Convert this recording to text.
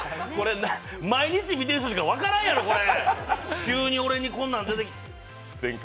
毎日見てる人しか分からんやろ、これ。